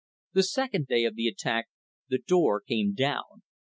The second day of the attack, the door came down.